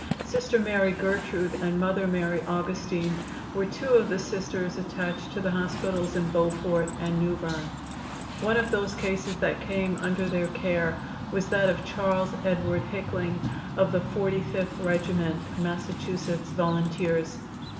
Sister Mary Gertrude and Mother Mary Augustine were two of the Sisters attached to the hospitals in Beaufort and Newberne. One of those cases that came under their care was that of Charles Edward Hickling, of the Forty fifth Regiment, Massachusetts Volunteers.